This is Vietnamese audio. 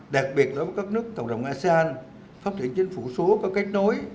đặc biệt là với các nước cộng đồng asean phát triển chính phủ số có kết nối